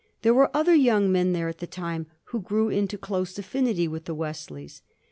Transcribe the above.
There were other young men there at the time who grew into close aflSnity with the Wesleys.